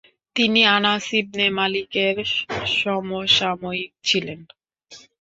তিনি আনাস ইবনে মালিকের সমসাময়িক ছিলেন।